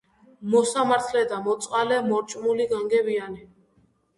მოსამართლე და მოწყალე, მორჭმული, განგებიანი